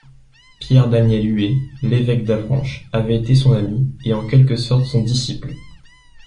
Pierre-Daniel Huet, l’évêque d’Avranches, avait été son ami, et en quelque sorte son disciple.